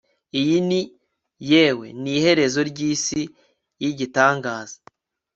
iyi ni ... yewe! ni iherezo ryisi yigitangaza